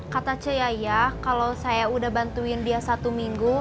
kata ce yaya kalau saya udah bantuin dia satu minggu